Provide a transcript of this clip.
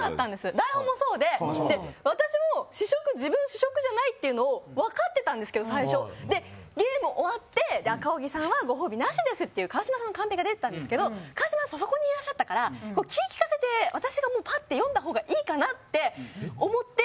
台本もそうで、私も試食、自分試食じゃないというのを分かってたんですけど、最初、ゲームが終わって赤荻さんはご褒美なしですという川島さんのカンペが出たんですけど川島さん、そこにいらっしゃったので、気を利かせて私がもうパッと読んだ方がいいかなと思って。